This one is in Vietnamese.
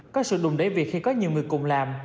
có sự đùng đẩy việc khi có nhiều người cùng làm